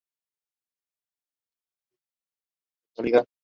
Dichos cuadros se vendieron en su totalidad.